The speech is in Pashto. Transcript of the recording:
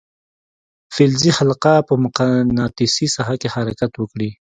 فلزي حلقه په مقناطیسي ساحه کې حرکت وکړي.